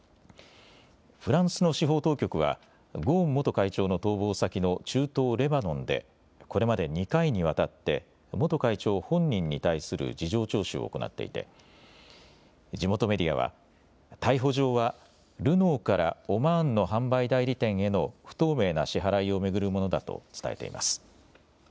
フランスの司法当局はゴーン元会長の逃亡先の中東レバノンでこれまで２回にわたって元会長本人に対する事情聴取を行っていて地元メディアは逮捕状はルノーからオマーンの販売代理店への不透明な支払いを巡るものだと伝えています。